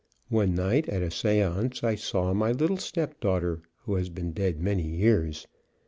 One night at a seance I saw my little step daughter who had been dead many years.